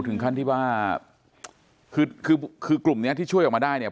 ถึงขั้นที่ว่าคือคือกลุ่มเนี้ยที่ช่วยออกมาได้เนี่ย